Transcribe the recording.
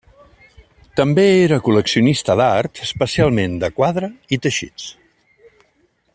També era col·leccionista d'art, especialment de quadre i teixits.